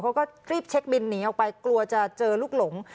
เขาก็รีบเช็คบินหนีออกไปกลัวจะเจอลูกหลง